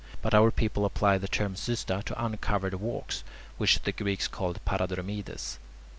But our people apply the term "xysta" to uncovered walks, which the Greeks call [Greek: paradromides].